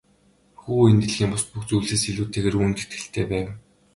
Хүү энэ дэлхийн бусад бүх зүйлсээс илүүтэйгээр үүнд итгэлтэй байв.